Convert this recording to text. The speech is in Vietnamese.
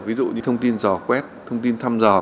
ví dụ như thông tin dò quét thông tin thăm dò